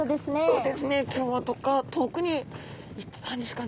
そうですね今日はどっか遠くに行ってたんですかね。